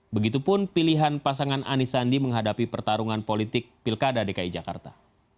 begitupun pilihan pasangan anies sandi menghadapi pertarungan politik pilkada dki jakarta